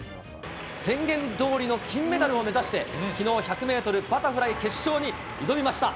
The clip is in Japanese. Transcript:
宣言どおりの金メダルを目指して、きのう、１００メートルバタフライ決勝に挑みました。